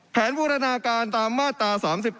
บูรณาการตามมาตรา๓๙